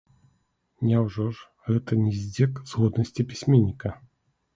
Няўжо ж гэта не здзек з годнасці пісьменніка.